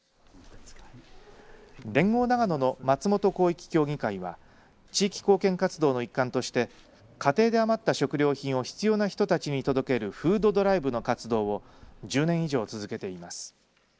連合長野の松本広域協議会は地域貢献活動の一環として家庭で余った食料品を必要な人たちに届けるフードドライブの活動を１０年以上続けています。